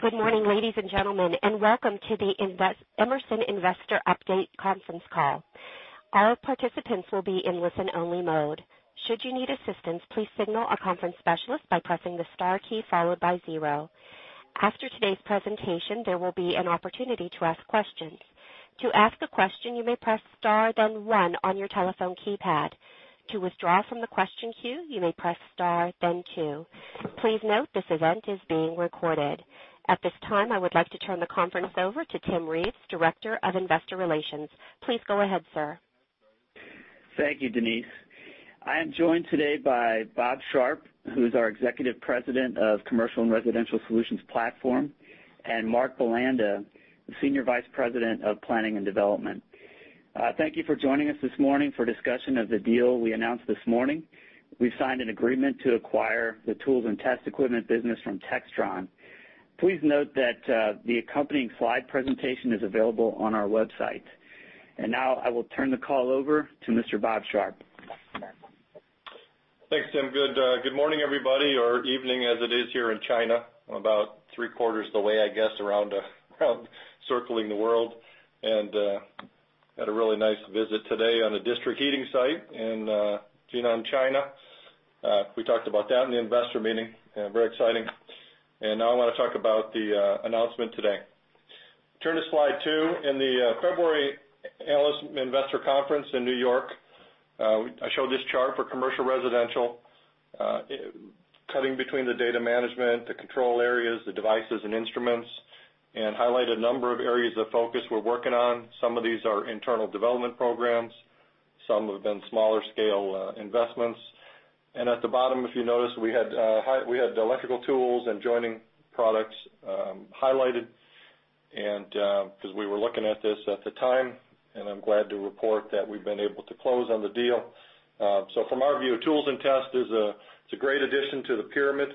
Good morning, ladies and gentlemen. Welcome to the Emerson Investor Update conference call. All participants will be in listen-only mode. Should you need assistance, please signal our conference specialist by pressing the star key followed by zero. After today's presentation, there will be an opportunity to ask questions. To ask a question, you may press star, then one on your telephone keypad. To withdraw from the question queue, you may press star, then two. Please note this event is being recorded. At this time, I would like to turn the conference over to Tim Reeves, Director of Investor Relations. Please go ahead, sir. Thank you, Denise. I am joined today by Bob Sharp, who is our Executive President of Commercial and Residential Solutions Platform, and Mark Bulanda, the Senior Vice President of Planning and Development. Thank you for joining us this morning for discussion of the deal we announced this morning. We've signed an agreement to acquire the tools and test equipment business from Textron. Please note that the accompanying slide presentation is available on our website. Now I will turn the call over to Mr. Bob Sharp. Thanks, Tim. Good morning, everybody, or evening as it is here in China, about three-quarters of the way, I guess, around circling the world. Had a really nice visit today on a district heating site in Jinan, China. We talked about that in the investor meeting. Very exciting. Now I want to talk about the announcement today. Turn to slide two. In the February analyst investor conference in New York, I showed this chart for commercial residential, cutting between the data management, the control areas, the devices and instruments, and highlight a number of areas of focus we're working on. Some of these are internal development programs. Some have been smaller scale investments. At the bottom, if you notice, we had the electrical tools and joining products highlighted because we were looking at this at the time, and I'm glad to report that we've been able to close on the deal. From our view, tools and test is a great addition to the pyramid,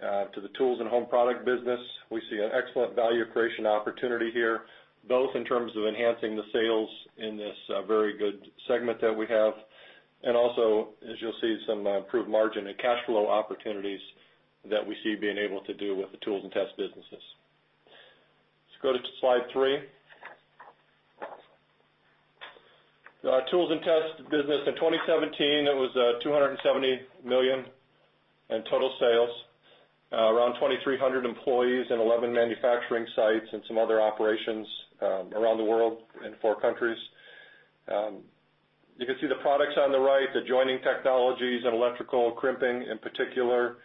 to the tools and home product business. We see an excellent value creation opportunity here, both in terms of enhancing the sales in this very good segment that we have. Also, as you'll see, some improved margin and cash flow opportunities that we see being able to do with the tools and test businesses. Let's go to slide three. Our tools and test business in 2017, it was $270 million in total sales. Around 2,300 employees and 11 manufacturing sites and some other operations around the world in four countries. You can see the products on the right, the joining technologies and electrical crimping in particular.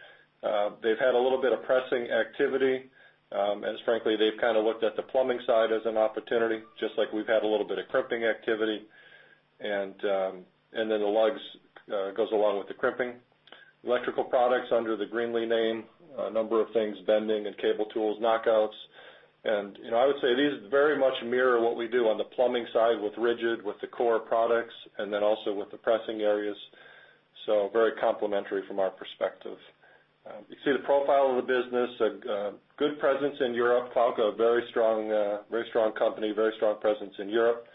They've had a little bit of pressing activity. Frankly, they've kind of looked at the plumbing side as an opportunity, just like we've had a little bit of crimping activity. The lugs goes along with the crimping. Electrical products under the Greenlee name, a number of things, bending and cable tools, knockouts. I would say these very much mirror what we do on the plumbing side with RIDGID, with the core products, and then also with the pressing areas. Very complementary from our perspective. You see the profile of the business, a good presence in Europe. Klauke, a very strong company, very strong presence in Europe.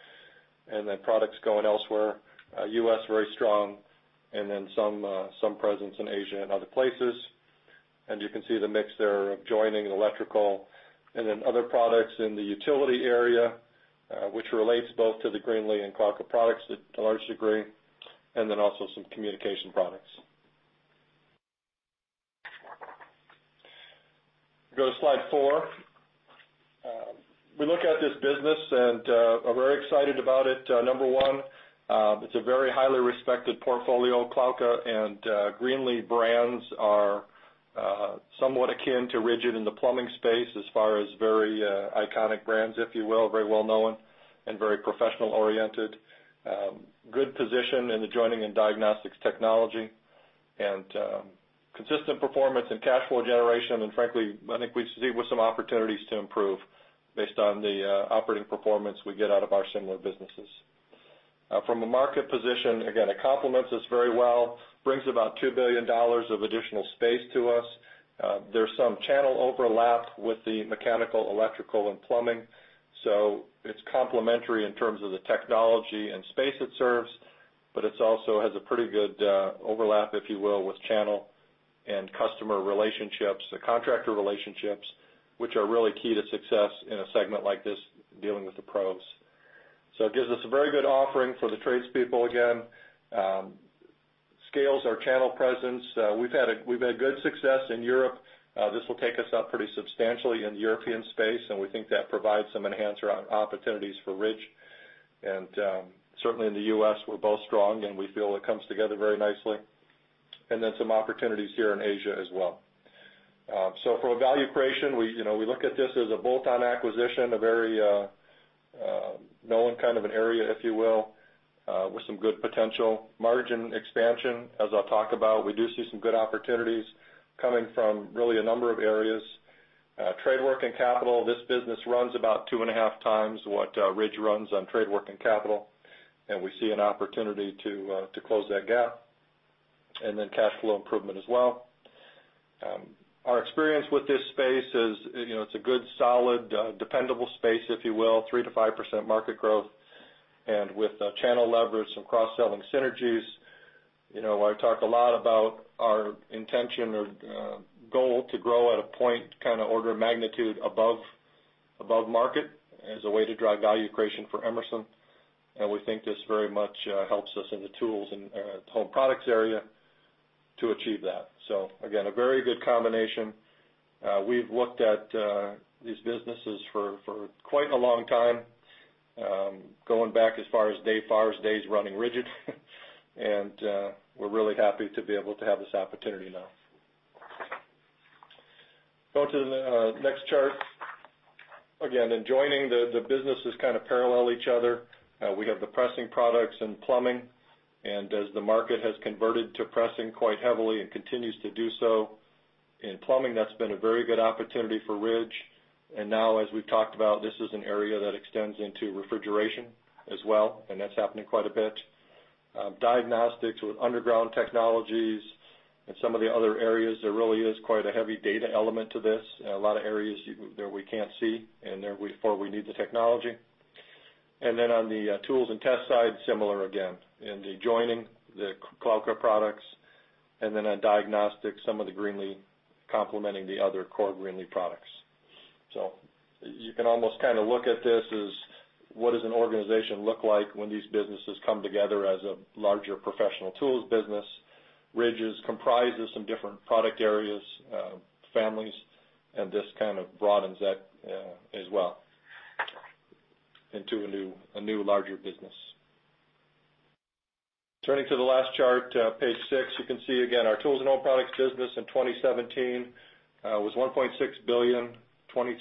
Products going elsewhere. U.S., very strong, and then some presence in Asia and other places. You can see the mix there of joining electrical and other products in the utility area, which relates both to the Greenlee and Klauke products to a large degree, also some communication products. Go to slide four. We look at this business and are very excited about it. Number 1, it's a very highly respected portfolio. Klauke and Greenlee brands are somewhat akin to RIDGID in the plumbing space as far as very iconic brands, if you will, very well-known and very professional oriented. Good position in the joining and diagnostics technology, consistent performance and cash flow generation. Frankly, I think we see with some opportunities to improve based on the operating performance we get out of our similar businesses. From a market position, again, it complements us very well. Brings about $2 billion of additional space to us. There's some channel overlap with the mechanical, electrical, and plumbing. It's complementary in terms of the technology and space it serves, but it also has a pretty good overlap, if you will, with channel and customer relationships, the contractor relationships, which are really key to success in a segment like this dealing with the pros. It gives us a very good offering for the trades people, again. Scales our channel presence. We've had good success in Europe. This will take us up pretty substantially in the European space, and we think that provides some enhancer opportunities for RIDGID. Certainly in the U.S., we're both strong, and we feel it comes together very nicely. Some opportunities here in Asia as well. From a value creation, we look at this as a bolt-on acquisition, a very known kind of an area, if you will, with some good potential margin expansion, as I'll talk about. We do see some good opportunities coming from really a number of areas. Trade working capital. This business runs about two and a half times what RIDGID runs on trade working capital, and we see an opportunity to close that gap. Cash flow improvement as well. Our experience with this space is it's a good, solid, dependable space, if you will, 3%-5% market growth. With channel leverage, some cross-selling synergies I talk a lot about our intention or goal to grow at a point order of magnitude above market as a way to drive value creation for Emerson. We think this very much helps us in the tools and home products area to achieve that. Again, a very good combination. We've looked at these businesses for quite a long time, going back as far as Dave Farr's days running RIDGID, and we're really happy to be able to have this opportunity now. Go to the next chart. In joining, the businesses kind of parallel each other. We have the pressing products and plumbing, and as the market has converted to pressing quite heavily and continues to do so in plumbing, that's been a very good opportunity for RIDGID. Now as we've talked about, this is an area that extends into refrigeration as well, and that's happening quite a bit. Diagnostics with underground technologies and some of the other areas, there really is quite a heavy data element to this. A lot of areas that we can't see, and therefore we need the technology. Then on the tools and test side, similar again, in the adjoining, the Klauke products, and then on diagnostics, some of the Greenlee complementing the other core Greenlee products. You can almost look at this as what does an organization look like when these businesses come together as a larger professional tools business. RIDGID is comprised of some different product areas, families, and this kind of broadens that as well into a new larger business. Turning to the last chart, page six, you can see again our tools and home products business in 2017 was $1.6 billion, 23%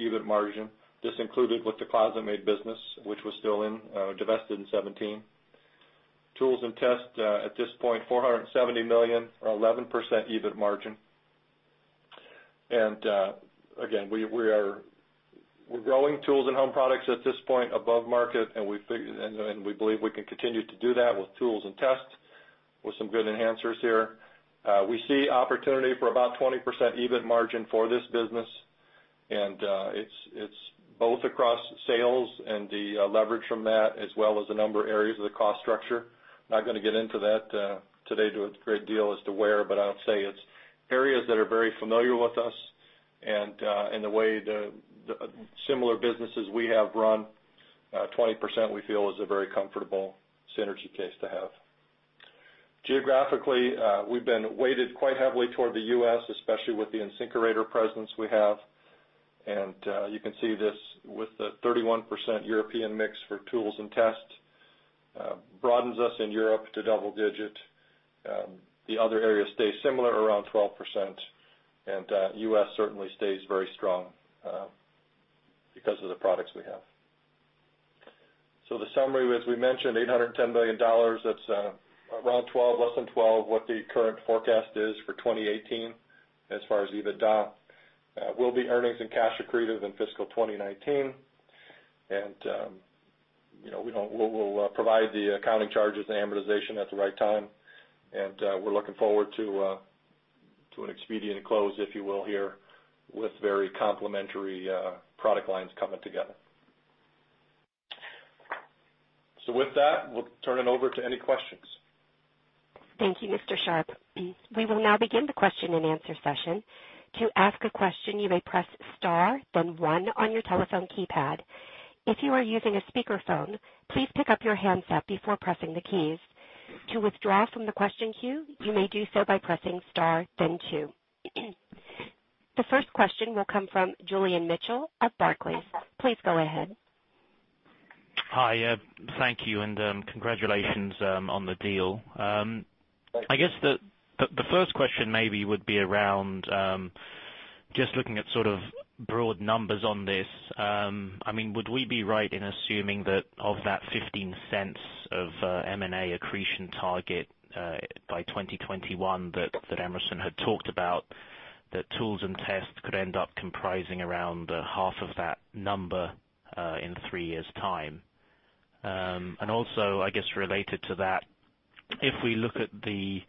EBIT margin. This included with the ClosetMaid business, which was still divested in 2017. Tools and test at this point, $470 million, 11% EBIT margin. Again, we're growing tools and home products at this point above market, and we believe we can continue to do that with tools and tests with some good enhancers here. We see opportunity for about 20% EBIT margin for this business, and it's both across sales and the leverage from that, as well as a number of areas of the cost structure. Not going to get into that today to a great deal as to where, but I'll say it's areas that are very familiar with us, and the way the similar businesses we have run, 20% we feel is a very comfortable synergy case to have. Geographically, we've been weighted quite heavily toward the U.S., especially with the InSinkErator presence we have. You can see this with the 31% European mix for tools and test broadens us in Europe to double digit. The summary, as we mentioned, $810 million. That's around 12, less than 12, what the current forecast is for 2018 as far as EBITDA. Will be earnings and cash accretive in fiscal 2019. We'll provide the accounting charges and amortization at the right time. We're looking forward to an expedient close, if you will, here with very complementary product lines coming together. With that, we'll turn it over to any questions. Thank you, Mr. Sharp. We will now begin the question and answer session. To ask a question, you may press star then one on your telephone keypad. If you are using a speakerphone, please pick up your handset before pressing the keys. To withdraw from the question queue, you may do so by pressing star then two. The first question will come from Julian Mitchell of Barclays. Please go ahead. Hi. Thank you, congratulations on the deal. Thanks. I guess the first question maybe would be around just looking at sort of broad numbers on this. Would we be right in assuming that of that $0.15 of M&A accretion target by 2021 that Emerson had talked about, that tools and tests could end up comprising around half of that number in three years' time? Also, I guess related to that, if we look at the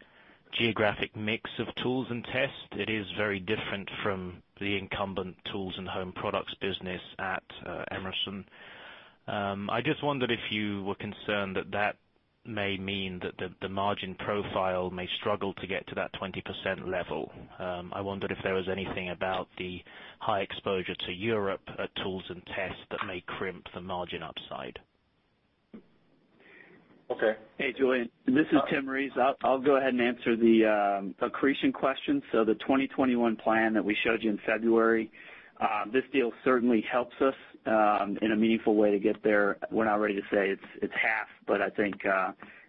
geographic mix of tools and tests, it is very different from the incumbent tools and home products business at Emerson. I just wondered if you were concerned that that may mean that the margin profile may struggle to get to that 20% level. I wondered if there was anything about the high exposure to Europe tools and tests that may crimp the margin upside. Okay. Hey, Julian. This is Tim Reeves. I'll go ahead and answer the accretion question. The 2021 plan that we showed you in February, this deal certainly helps us in a meaningful way to get there. We're not ready to say it's half, but I think,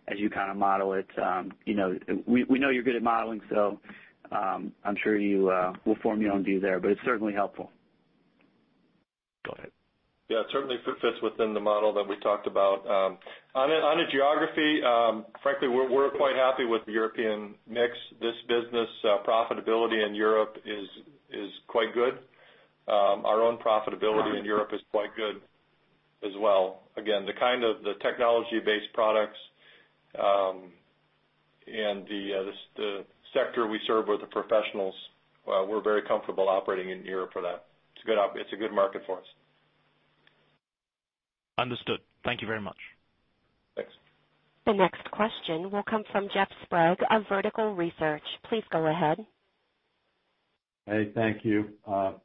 as you kind of model it, we know you're good at modeling, so I'm sure we'll form your own view there, but it's certainly helpful. Go ahead. Yeah, it certainly fits within the model that we talked about. On a geography, frankly, we're quite happy with the European mix. This business profitability in Europe is quite good. Our own profitability in Europe is quite good as well. Again, the kind of the technology-based products, and the sector we serve with the professionals, we're very comfortable operating in Europe for that. It's a good market for us. Understood. Thank you very much. Thanks. The next question will come from Jeff Sprague of Vertical Research. Please go ahead. Hey, thank you.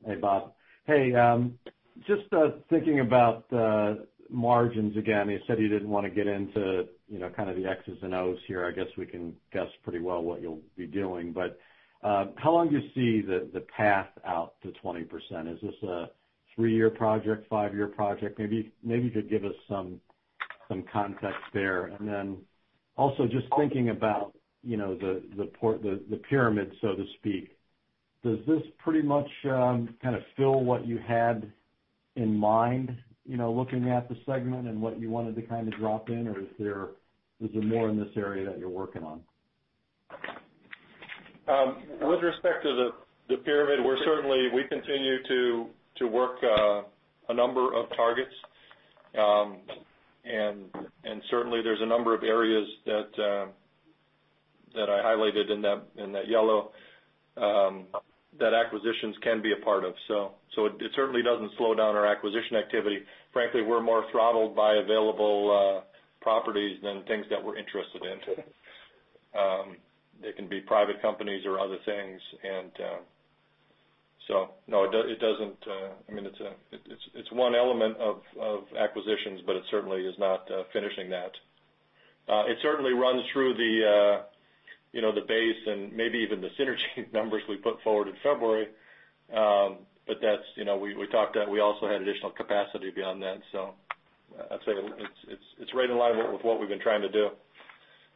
Hey, Bob. Hey, just thinking about the margins again, you said you didn't want to get into the X's and O's here. I guess we can guess pretty well what you'll be doing, but how long do you see the path out to 20%? Is this a three-year project, five-year project? Maybe you could give us some context there, and then also just thinking about the pyramid, so to speak. Does this pretty much kind of fill what you had in mind looking at the segment and what you wanted to drop in, or is there more in this area that you're working on? With respect to the pyramid, we continue to work a number of targets. Certainly, there's a number of areas that I highlighted in that yellow, that acquisitions can be a part of. It certainly doesn't slow down our acquisition activity. Frankly, we're more throttled by available properties than things that we're interested in. They can be private companies or other things. No, it's one element of acquisitions, but it certainly is not finishing that. It certainly runs through the base and maybe even the synergy numbers we put forward in February. We also had additional capacity beyond that. I'd say it's right in line with what we've been trying to do,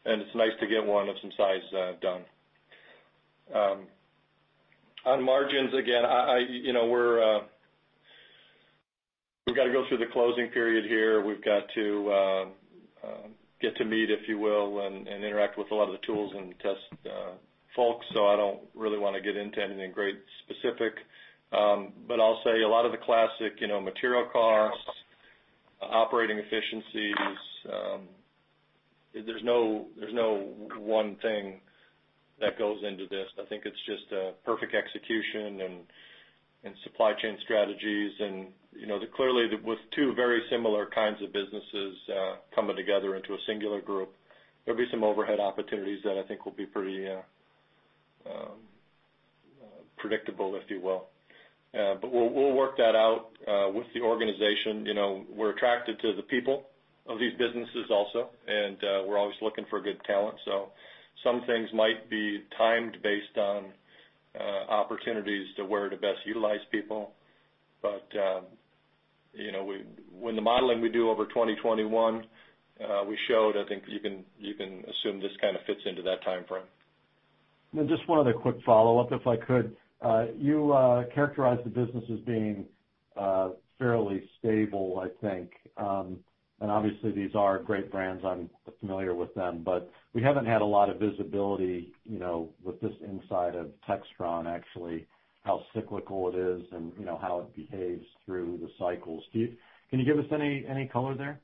and it's nice to get one of some size done. On margins, again, we've got to go through the closing period here. We've got to get to meet, if you will, and interact with a lot of the tools and test folks. I don't really want to get into anything great specific. I'll say a lot of the classic material costs, operating efficiencies, there's no one thing that goes into this. I think it's just perfect execution and supply chain strategies, and clearly with two very similar kinds of businesses coming together into a singular group, there'll be some overhead opportunities that I think will be pretty predictable, if you will. We'll work that out with the organization. We're attracted to the people of these businesses also, and we're always looking for good talent. Some things might be timed based on opportunities to where to best utilize people. With the modeling we do over 2021, we showed, I think you can assume this kind of fits into that timeframe. Just one other quick follow-up, if I could. You characterized the business as being fairly stable, I think. Obviously, these are great brands. I'm familiar with them, but we haven't had a lot of visibility with this inside of Textron, actually, how cyclical it is, and how it behaves through the cycles. Can you give us any color there?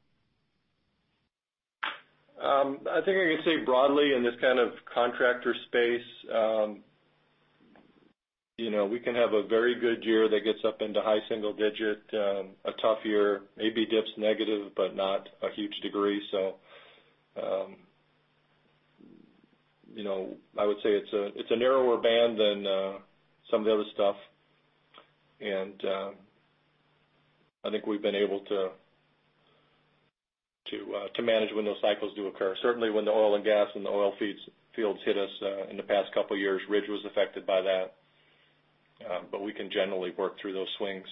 I think I can say broadly in this kind of contractor space, we can have a very good year that gets up into high single-digit. A tough year maybe dips negative, but not a huge degree. I would say it's a narrower band than some of the other stuff. I think we've been able to manage when those cycles do occur. Certainly, when the oil and gas and the oil fields hit us in the past couple of years, RIDGID was affected by that. We can generally work through those swings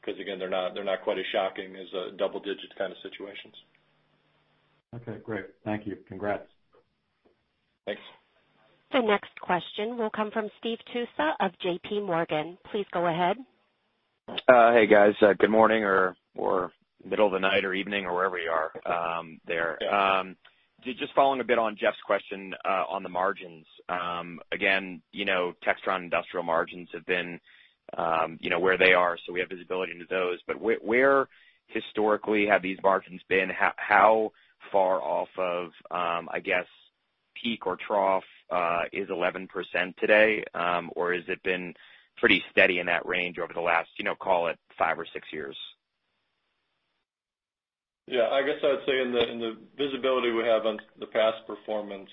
because, again, they're not quite as shocking as double-digit kind of situations. Okay, great. Thank you. Congrats. Thanks. The next question will come from Steve Tusa of J.P. Morgan. Please go ahead. Hey, guys. Good morning, or middle of the night or evening or wherever you are there. Just following a bit on Jeff's question on the margins. Textron industrial margins have been where they are, so we have visibility into those. Where historically have these margins been? How far off of peak or trough is 11% today? Has it been pretty steady in that range over the last call it five or six years? I guess I'd say in the visibility we have on the past performance,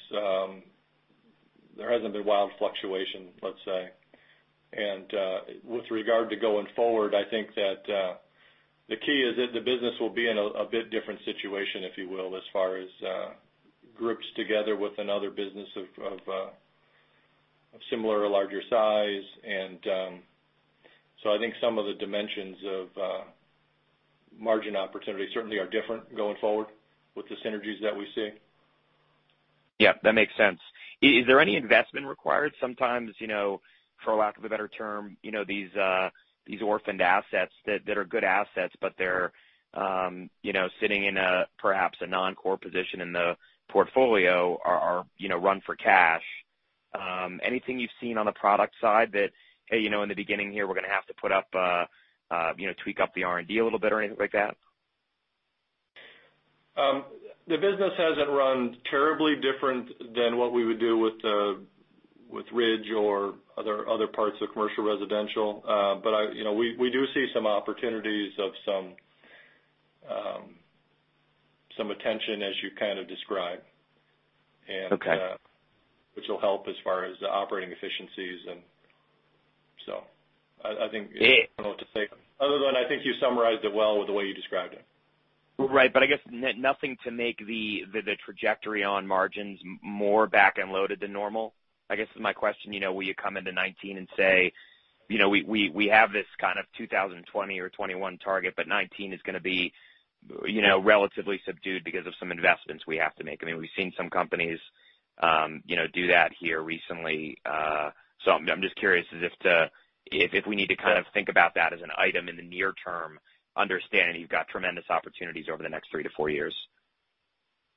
there hasn't been wild fluctuation, let's say. With regard to going forward, I think that the key is that the business will be in a bit different situation, if you will, as far as groups together with another business of similar or larger size. I think some of the dimensions of margin opportunity certainly are different going forward with the synergies that we see. Yeah, that makes sense. Is there any investment required? Sometimes for lack of a better term, these orphaned assets that are good assets, but they're sitting in perhaps a non-core position in the portfolio are run for cash. Anything you've seen on the product side that, "Hey, in the beginning here, we're going to have to tweak up the R&D a little bit," or anything like that? The business hasn't run terribly different than what we would do with RIDGID or other parts of commercial residential. We do see some opportunities of some attention, as you kind of described. Okay. Which will help as far as the operating efficiencies. I think, I don't know what to say, other than I think you summarized it well with the way you described it. Right. I guess nothing to make the trajectory on margins more back-end loaded than normal, I guess is my question. Will you come into 2019 and say, "We have this kind of 2020 or 2021 target, but 2019 is going to be relatively subdued because of some investments we have to make." I mean, we've seen some companies do that here recently. I'm just curious as if we need to kind of think about that as an item in the near term, understanding you've got tremendous opportunities over the next 3 to 4 years.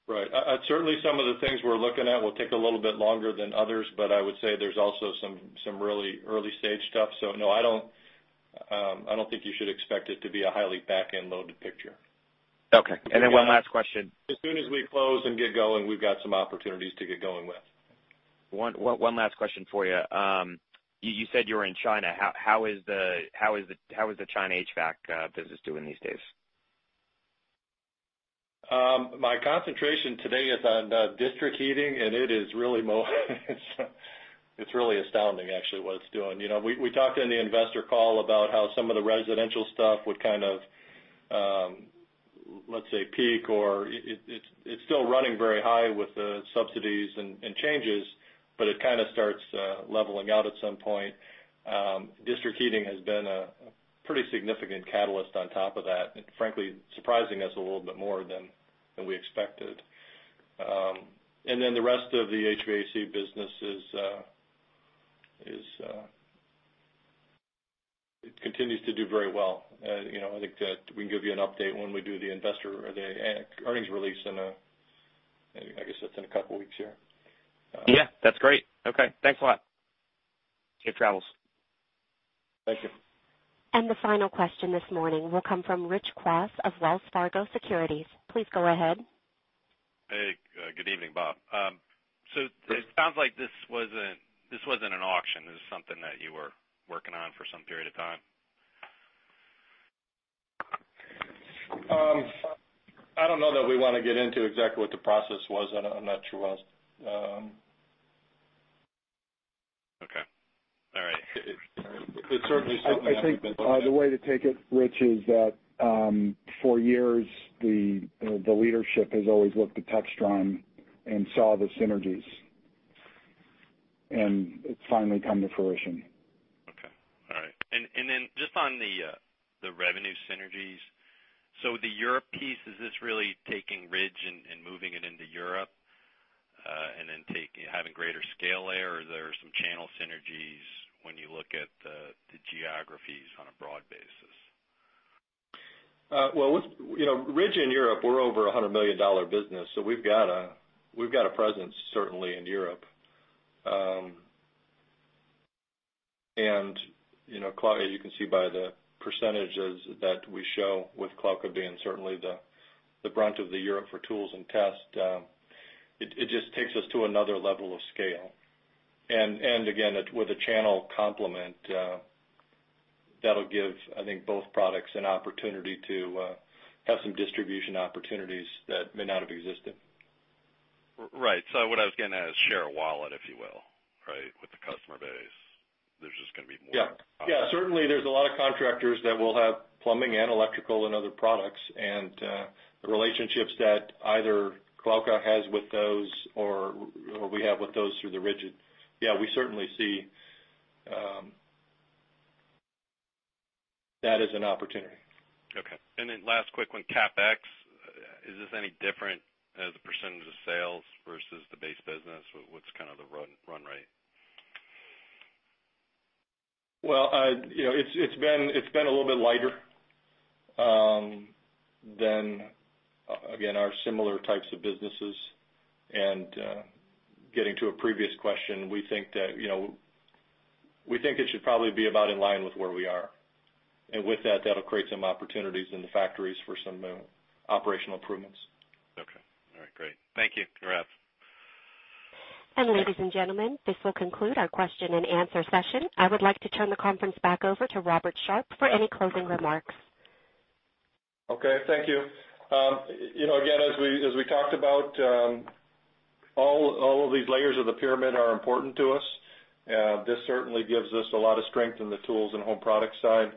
Right. Certainly, some of the things we're looking at will take a little bit longer than others, but I would say there's also some really early-stage stuff. No, I don't think you should expect it to be a highly back-end loaded picture. Okay. One last question. As soon as we close and get going, we've got some opportunities to get going with. One last question for you. You said you were in China. How is the China HVAC business doing these days? My concentration today is on district heating, it is really astounding actually what it's doing. We talked in the investor call about how some of the residential stuff would kind of, let's say, peak, or it's still running very high with the subsidies and changes, it kind of starts leveling out at some point. District heating has been a pretty significant catalyst on top of that, frankly, surprising us a little bit more than we expected. The rest of the HVAC business continues to do very well. I think that we can give you an update when we do the investor or the earnings release in, I guess that's in a couple of weeks here. Yeah. That's great. Okay. Thanks a lot. Safe travels. Thank you. The final question this morning will come from Rich Clough of Wells Fargo Securities. Please go ahead. Hey. Good evening, Bob. Good evening. It sounds like this wasn't an auction. This is something that you were working on for some period of time. I don't know that we want to get into exactly what the process was. I'm not sure. [inaudible] Okay. All right. It's certainly something that. I think the way to take it, Rich, is that for years, the leadership has always looked at Textron and saw the synergies, and it's finally come to fruition. Okay. All right. Just on the revenue synergies. The Europe piece, is this really taking RIDGID and moving it into Europe, and then having greater scale there? Or are there some channel synergies when you look at the geographies on a broad basis? RIDGID in Europe, we're over $100 million business. We've got a presence certainly in Europe. As you can see by the percentages that we show with Klauke being certainly the brunt of the Europe for tools and tests, it just takes us to another level of scale. Again, with a channel complement, that'll give, I think, both products an opportunity to have some distribution opportunities that may not have existed. Right. What I was getting at is share of wallet, if you will, right, with the customer base. There's just going to be more. Yeah. Certainly, there's a lot of contractors that will have plumbing and electrical and other products, and the relationships that either Klauke has with those or we have with those through the RIDGID. We certainly see that as an opportunity. Okay. Last quick one, CapEx. Is this any different as a percentage of sales versus the base business? What's kind of the run rate? Well, it's been a little bit lighter than, again, our similar types of businesses. Getting to a previous question, we think it should probably be about in line with where we are. With that'll create some opportunities in the factories for some operational improvements. Okay. All right. Great. Thank you. You bet. Ladies and gentlemen, this will conclude our question and answer session. I would like to turn the conference back over to Robert Sharp for any closing remarks. Okay. Thank you. Again, as we talked about, all of these layers of the pyramid are important to us. This certainly gives us a lot of strength in the tools and home products side.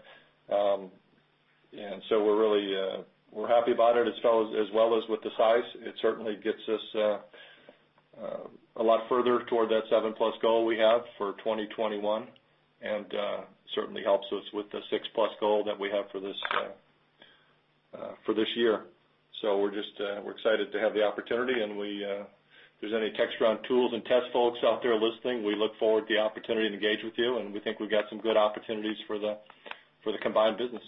We're happy about it as well as with the size. It certainly gets us a lot further toward that seven-plus goal we have for 2021 and certainly helps us with the six-plus goal that we have for this year. We're excited to have the opportunity, and if there's any Textron tools and test folks out there listening, we look forward to the opportunity to engage with you, and we think we've got some good opportunities for the combined business.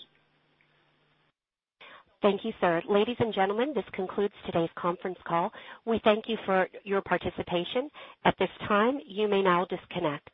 Thank you, sir. Ladies and gentlemen, this concludes today's conference call. We thank you for your participation. At this time, you may now disconnect.